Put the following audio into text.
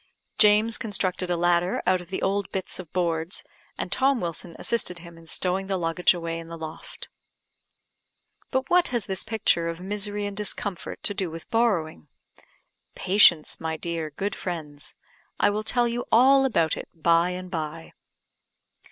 James constructed a ladder out of the old bits of boards, and Tom Wilson assisted him in stowing the luggage away in the loft. But what has this picture of misery and discomfort to do with borrowing? Patience, my dear, good friends; I will tell you all about it by and by.